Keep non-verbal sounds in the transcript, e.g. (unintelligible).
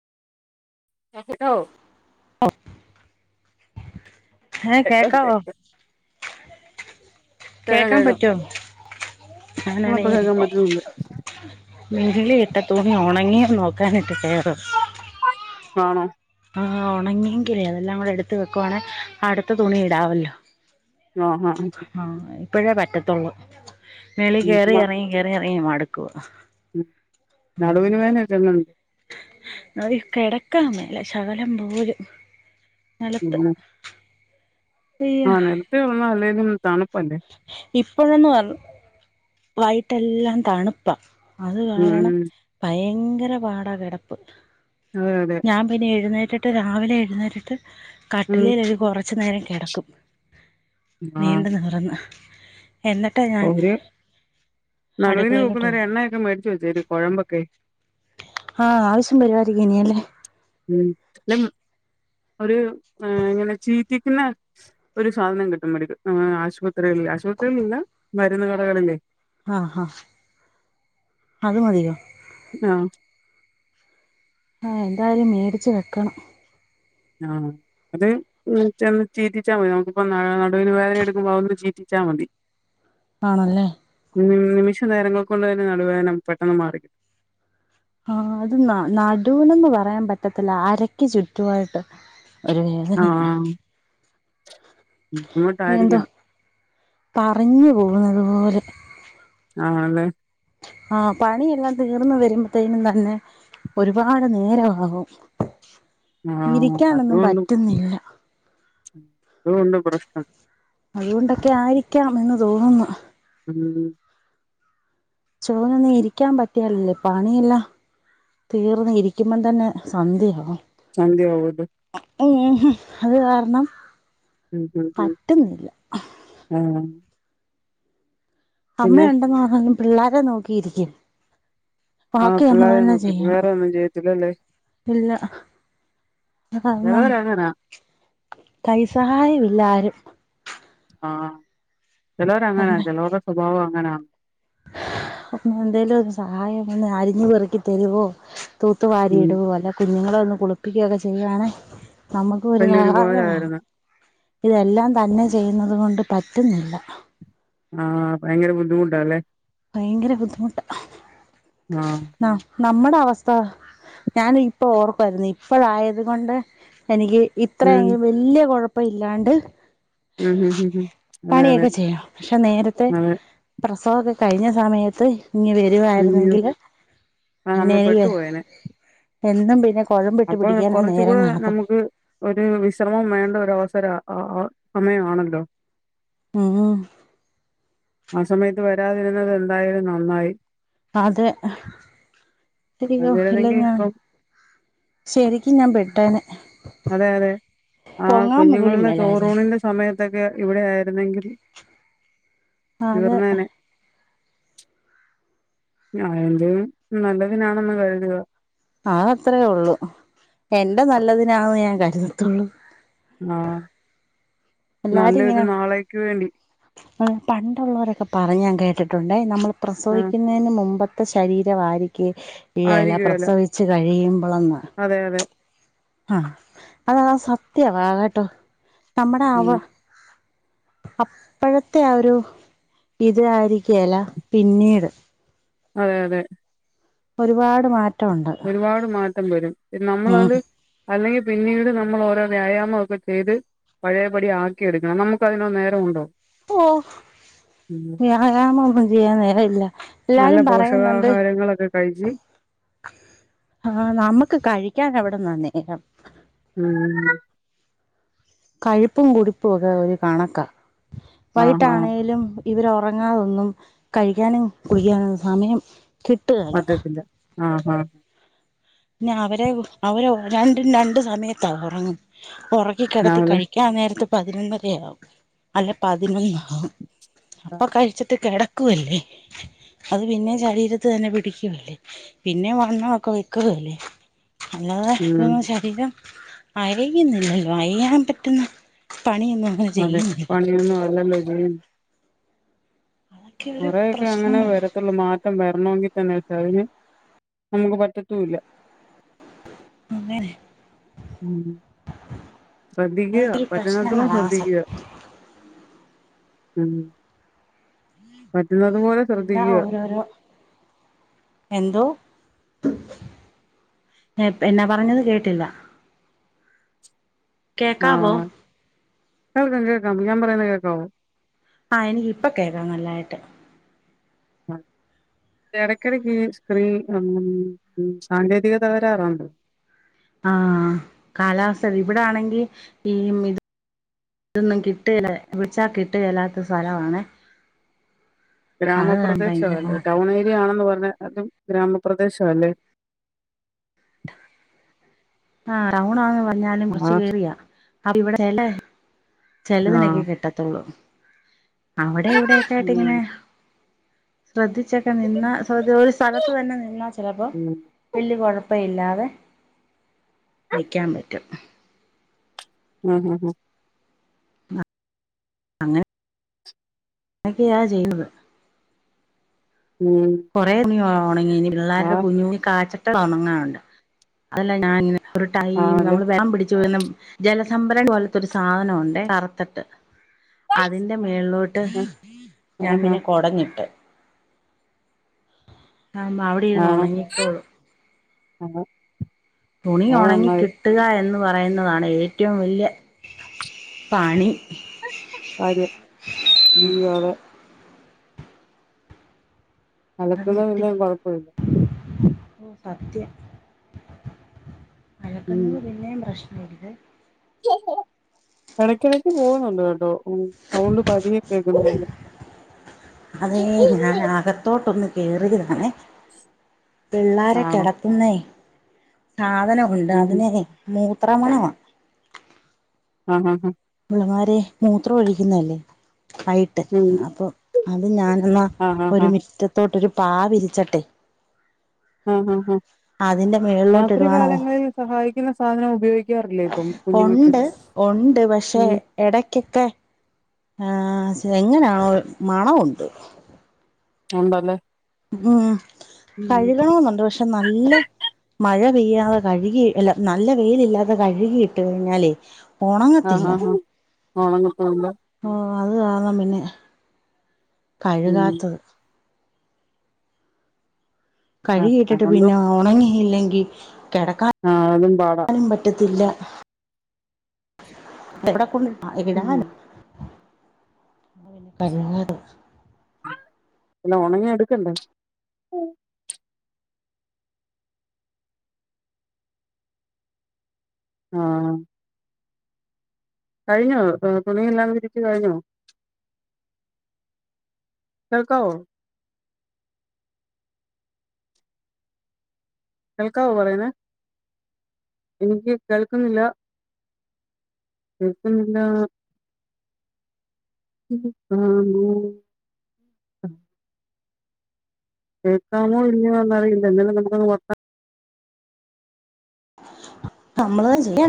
Hello ഔ ഹേ കേക്കാം കേക്കാവോ? കേക്കാം കേക്കാൻ കേക്കാം പറ്റോ ഞാൻ ആ ആണേ ഇപ്പൊ കേക്കാൻ പറ്റുന്നുണ്ട് മെകളിൽ ഇട്ട തുണി ഉണങ്ങിയോ നോക്കാനിട്ട് കയറുവാ ആണോ? ആഹ് ഉണങ്ങിയെങ്കിലേ അതെല്ലാം കൂടെ എടുത്തു വെക്കുവാണേ അടുത്ത തുണി ഇടാവല്ലോ ആ ആ ആഹ് ഇപ്പോഴേ പറ്റത്തുള്ളൂ മേളി ഉം കയറി മ ഇറങ്ങി കേറി എറങ്ങി മടുക്കുവാ ഉം നടുവിന് വേദന ഒക്കെ എങ്ങനെയുണ്ട് ആഹ് കെടക്കാൻ മേല ശകലം പോലും നെലത്ത് ആഹ് നെലത്ത് കിടന്നാൽ അല്ലേലും തണുപ്പല്ലേ ഇപ്പഴുന്നും വൈകിട്ട്ല്ലാം തണുപ്പ അത് ഉം കാരണം ഉം ഭയങ്കര പാടാ കിടപ്പ് അതെ അതെ ഞാൻ പിന്നെ എഴുന്നേറ്റിട്ട് രാവിലെ എഴുന്നേറ്റിട്ട് ഉം കട്ടിലേൽ ഒരു കുറച്ചു നേരം കെടക്കും ആ നീണ്ട് നിവർന്ന് എന്നിട്ടാ ഞാൻ ഒരു നടുവിന് അടുക്കളയിലോട്ട് തേക്കുന്ന ഒരു പോകുന്നത് എണ്ണയൊക്കെ വേടിച്ചു വെച്ചേരെ കുഴമ്പൊക്കെ ആഹ് ആവശ്യം വരിവായർക്കും ഇനി അല്ലേ ഉം ഒരു ഏഹ് ഇങ്ങനെ ചീറ്റിക്കുന്ന ഒരു സാധനം കിട്ടും മെഡിക്കൽ ആഹ് ആശുപത്രികളിൽ ആശുപത്രികളല്ല മരുന്ന് കടകളിൽ ആഹ് ആഹ് അത് മതിയോ ആഹ് ആഹ് എന്തായാലും മേടിച്ച് വെക്കണം ആഹ് അത് ഒന്ന് ചെന്ന് ചീറ്റിച്ചാ മതി നമുക്കിപ്പ നടുവിന് വേദന എടുക്കുമ്പോ അതൊന്ന് ചീറ്റിച്ചാ മതി ആണല്ലേ ഉം നിമിഷം നേരങ്ങൾ കൊണ്ട് തന്നെ നടുവേദന പെട്ടെന്ന് മാറി കിട്ടും ആഹ് അത് ന നടുവിനൊന്ന് പറയാൻ പറ്റത്തില്ല അരക്ക് ചുറ്റുവായിട്ട് ഒരു വേദനയാ എന്തോ ബുദ്ധിമുട്ടായിരിക്കാ പറഞ്ഞു പോകുന്നതു പോലെ ആണ് ആഹ് പണിയെല്ലാം തീർന്ന് വരുമ്പോത്തേനു തന്നെ ഒരുപാട് നേരവാകും. ആഹ് ഇരിക്കാനൊന്നും പറ്റുന്നില്ല. ഈ എന്ത് പ്രശ്‌നം അതുകൊണ്ടൊക്കെ ആയിരിക്കാം എന്ന് തോന്നുന്നു. ഉം. ചോനൊന്നും ഇരിക്കാൻ പറ്റിയാലല്ലേ? പണിയല്ല. തീർന്ന് ഇരിക്കുമ്പ തന്നെ സന്ധ്യാവും. സന്ധ്യ ആവൂലെ. ഹു ഹു അത് കാരണം... ഉം ഉം ഉം പറ്റുന്നില്ല ഏഹ് അമ്മ ഉണ്ടെന്ന് നന്ന പിള്ളാരെ നോക്കിയിരിക്കും. ആഹ് ബാക്കി പിള്ളേരെ നമ്മളന്നെ നോക്കില്ലേ ചെയ്യണം. വേറെ ഒന്നും ചെയ്യത്തില്ലല്ലേ ഇല്ല. (unintelligible) കൈ സഹായമില്ല ആരും. ആഹ് ചെലോര് അങ്ങനാ ഉണ്ട് ചെലോരുടെ സ്വഭാവം അങ്ങനാ എന്തേലും സഹായം ഒന്ന് അരിഞ്ഞു പെറക്കി തരുവോ? തൂത്തു വാരി ഉം ഇടു അല്ല കുഞ്ഞുങ്ങളെ ഒന്ന് കുളിപ്പിക്കുകയൊക്കെ ചെയ്യവാണേ... നമ്മക്ക് ഒരു വലിയൊരു സഹായവാ ഉപകാരായിരുന്നു ഇതെല്ലാം തന്നെ ചെയ്യുന്നത് കൊണ്ട് പറ്റുന്നില്ല. ആഹ് ഭയങ്കര ബുദ്ധിമുട്ടാല്ലേ? ഭയങ്കര ബുദ്ധിമുട്ടാ. ആഹ് ആഹ് നമ്മടെ അവസ്ഥ... ഞാൻ ഇപ്പോ ഓർക്കായിരുന്നു. ഇപ്പോഴായത് കൊണ്ട് എനിക്... ഉം ഇത്രയ് വല്ല്യ കുഴപ്പ ഇല്ലാണ്ട്... ഉം ഉം ഉം.. അതെ അതെ പണിയൊക്കെ ചെയ്യാം. പക്ഷെ, നേരത്തെ അതെ പ്രസവൊക്കെ കഴിഞ്ഞ സമയത്ത് ഇനി വെ (unintelligible) അയ്യോ വായിരുന്നെങ്കി ആഹ് നമ്മൾ (unintelligible) പെട്ടുപോയേനെ എന്നും പിന്നെ... കുഴമ്പിട്ട് അപ്പൊ പിടിക്കാനാ നേരം കുറച്ചുകൂടെ കാണത്തുള്ളൂ. നമുക്ക് ഒരു വിശ്രമം വേണ്ട. ഒര അവസര അ ആ സമയാണല്ലോ? ഉം ഉം ആ സമയത്ത് വരാതിരുന്നത് എന്തായാലും നന്നായി. അതെ, ഹിയോ ഇല്ല വന്നിരുന്നെങ്കിൽ ഞാൻ... ഇപ്പം ശരിക്കും ഞാൻ പെട്ടേനെ. അതെ അതെ, ആഹ് പൊങ്ങാൻ പോലും കുഞ്ഞുങ്ങളുടെ മേലായിരുന്നു ചോറൂണിന്റെ സമയത്തൊക്കെ ഇവിടെ ആയിരുന്നെങ്കിൽ അതെ. തീർന്നേനെ അന്റെയും നല്ലതിനാണെന്ന് കരുതുക. ആ അത്രേ ഉള്ളു എന്റെ നല്ലതിനാന്ന് ഞാൻ കരുതത്തുള്ളൂ. ആഹ് എല്ലാരു ഇങ്ങനെ.... വേണ്ടി പണ്ടുള്ളൊരൊക്കെ പറഞ്ഞ ഞാ കേട്ടിട്ടുണ്ടേ നമ്മള്... ആ പ്രസവിക്കുന്നതിന് മുമ്പത്തെ ശരീര ആയിരിക്കെയെല ആയിരിക്കുവല്ലോ പ്രസവി... ച്ച് കഴിയുമ്പോളന്ന്? അതെ അതെ. ആഹ്, അതതാ സത്യവാകട്ടോ നമ്മുടെ അവ... ഉം അപ്പോഴത്തെ ആ ഒരു ഇത് ആയിരികേല പിന്നീട്. അതെ അതെ. ഒരുപാട് മാ ഒരുപാട് മാറ്റം വരും ഉം നമ്മളത്... അല്ലെങ്കിൽ പിന്നീട് നമ്മൾ ഓരോ വ്യായാമം ഒക്കെ ചെയ്ത്... പഴേ പടി ആക്കി എടുക്കണം. നമുക്ക് അതിനോ നേരമുണ്ടോ? ഹോ ഉം വ്യായാമം ഒന്നും ചെയ്യാൻ നേരൽയ. നല്ല എല്ലാരും പറയുന്നുണ്ട്... പോഷകാഹാരങ്ങളൊക്കെ കഴിച്ച് ആഹ് നമക്ക് കഴിക്കാനെവിടന്ന നേരം ഉം കഴിപ്പും കുടിപ്പും ഒക്കെ ഒരു കണക്ക ആഹ് ആഹ് വൈട്ടാണേലും ഇവരൊറങ്ങാതൊന്നും കഴിക്കാനും കുടിക്കാനും സമയം കിട്ടുകേല പറ്റത്തില്ല ആഹ്ആഹ് പിന്നെ അവരെ അവരെ രണ്ടും രണ്ട് സമയത്താ ഒറങ്ങും ഒറക്കി കെടത്തി രാവിലെ കഴി ഞാൻ നേരത്തെ പതിനൊന്നരയാവും അല്ലെ പതിനൊന്നാവും അപ്പൊ കഴിച്ചിട്ട് കെട ക്കുവല്ലേ അത് പിന്നെം ശരീരത്തി തന്നെ പിടിക്കുവല്ലേ പിന്നെ വണ്ണവൊക്കെ വെ ക്കുവല്ലേ അല്ലാതെ ഉം തൊന്നും ശരീരം അയയുന്നില്ലല്ലോ അയിയാൻ പറ്റുന്ന പണിയൊന്നും അങ്ങനെ അതെ ചെയ്യുന്നില്ല പണിയൊന്നും അല്ലല്ലോ ചെയ് അതൊക്കെ ഒരു കൊറെയൊക്കെ അങ്ങനെ പ്രശ്നമാണ് വരത്തുള്ളൂ മാ വര്ണോങ്കി തന്നെ തെറിഞ്ഞ് നമുക്ക് പറ്റത്തൂല്ല അങ്ങനെ ശ്രദ്ധിക്ക്യാ അതൊക്കെ ഒരു പറ്റുന്നത്രം പ്രശ്നങ്ങളാ സത്യം ശ്രദ്ധിക്ക്യാ ഉം പറ്റുന്നത് പോലെ എല്ലാ ശ്രദ്ധിക്കുക ഓരോരോ എന്തോ? നേ എന്നാ പറഞ്ഞത് കേട്ടില്ല കേക്കാവോ ആഹ് ഞാ പർയുന്നെ കേക്കാവേ ഞാ പറയുന്നെകേക്കാവോ? ആഹ് എനിക്ക് ഇപ്പൊ കേക്കാം നന്നയിട്ട് (unintelligible) എടക്കിടക്കീ സ്ക്രീ ഉം സാങ്കേതിക തകരാറുണ്ട് ആഹ് കാലാവസ്ഥ ഇവിടാണെങ്കി ഈ മിടി ഇതൊന്നും കിട്ടേല്ല വിൾച്ചാൽ കിട്ടു ഇല്ലാത്ത സ്ഥലവാണെ ഭയങ്കര ഗ്രാമപ്രദേശവല്ലേ പാടാ ടൗൺ ഏരിയ ആണെന്ന് പറഞ്ഞാ അതും ഗ്രാമപ്രദേശവല്ലേ ആ ടൌൺണാണ് പറഞ്ഞാലും ആഹ് കുറച്ച് കേറിയാ അപ്പവിടെ ചെലെ ചെലതിനെക്കെ ആഹ് കിട്ടത്തുള്ളൂ അവിടെ ഉം ഇവിടെയൊക്കെയായ്ട്ടിങ്ങനെ ശ്രദ്ധിച്ചൊക്കെ നിന്ന ശ്രദ്ധ ഒരു സ്ഥലത്ത് തന്നെ നിന്നാ ചെലപ്പോ ഉം വെല്യ കൊഴപ്പയില്ലാതെ നിക്ക്യാൻ പറ്റും ആഹ് ഹാ ഹാ അങ്ങനെ എക്കെയ ചെയ്യുന്നത് ഉം കൊറേ തുണി ഒണങ്ങി ഇനി പിള്ളേരുടെ ആഹ് കുഞ്ഞു കാറ്റത്തു ഉണങ്ങാനുണ്ട് അതെല്ലാം ഞാൻങ്ങനെ ഒരു ടൈം ആണല്ലേ നമ്മള് വേള്ളം പിടിച്ചു വെകുന്ന ജലസംഭരണി പോലത്തെ ഒരു സാധനം ഉണ്ടെ കറുത്തിട്ട് അതിന്റെ മേളിലോട്ട് ഉം ഞാൻ ആഹ് പിന്നെ കൊടഞ്ഞിട്ട് താവുമ്പ അവി വാണം ആഹ് ഞങ്ങള് തുണി ഒണങ്ങികി കിട്ടുക എന്ന് പറയുന്നതാണ് ഏറ്റവും വല്യ പണി കാര്യം ഇഞ്ഞും അതെ അത് അലക്കുന്നത് കിട്ടി പിന്നെ കൊഴപ്പമില്ല ഓഹ് സത്യം അലക്കുന്നത് പിന്നെയും പ്രശ്നവില്ലേ എടക്കിടക്ക് പോകുന്നുണ്ട് കേട്ടോ ഉം സൗണ്ട് പതിയെ കേക്ക്ന്നപോ അതേ ഞാൻ അകത്തോട്ടൊന്ന് കേറിയതാണെ പിള്ളാരെ ആണോ കെടത്തുന്നെ സാധനം ഉണ്ട് ഉം ഉം അതിനെ മൂത്രമണവാ ആഹ് ഹാ ഹാ പിള്ളാരെ മൂത്ര ഒഴിക്കുന്നേല്ലേ പൈ ഉം അപ്പൊ അത് ഞാനെന്നാ ആഹ് ആഹ് ഒരു ആഹ് മിറ്റത്തോട് ഒരു പാ വിരിച്ചട്ടെ അഹ് ഹാ ഹാ അതിന്റെ മേള് രാത്രി കാലങ്ങളിൽ സഹായിക്കുന്ന സാധനം ഉപയോഗിക്കാറില്ലേ ഇപ്പം കുഞ്ഞുങ്ങൾക്ക് ഒണ്ട് പക്ഷേ ഉം എടെക്ക്യൊക്കെ ആഹ് സ് എങ്ങനാണോ മണമുണ്ട് നമ്പർല് ഉം കഴുകണംന്നുണ്ട് പക്ഷെ നല്ല മഴ പെയ്യാതെ കഴ്കി അല്ല നല്ല വെയിലില്ലാതെ കഴ്കിയിട്ട കഴിഞ്ഞാലേ ആഹ് ഒണങ്ങത്തില്ല ആഹ് ആഹ് ഓളാങ്ങ്പ്പവ്ണ്ട് ഓഹ് അത് കാര്ണം പിന്നെ ഉം കഴ്കാത്തെത് ആഹ് കഴികി ഇട്ടിട്ട് അതുകൊണ്ട് പിന്നെ ഒണങ്ങിയില്ലെങ്കി കെടക്കാ ആഹ് അതും പാടാ നും പറ്റത്തില്ല ആരാ വെടെകൊണ്ട് ആഹ് ഉം എവിടാനും പിന്നെ (unintelligible) എല്ലാം ഒണങ്ങി എടുക്കണ്ടേ ആഹ് കഴിഞ്ഞോ തു തുണിയെല്ലാം വിരിച്ച് കഴിഞ്ഞോ കേൾക്കാവോ? കേൾക്കാവാേ പറയ്ന്നെ എനിക്കി കേൾക്കുന്നില്ല കേൾക്കുന്നില്ലാ ആഹ് ദൂ കേക്കാമോ ഇല്ലയോ എന്നറിയില്ല (unintelligible) നമ്മളത് ചിയ്യാൻ